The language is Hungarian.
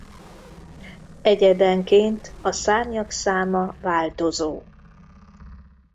Egyedenként a szárnyak száma változó.